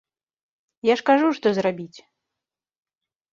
Я ж кажу, што зрабіць!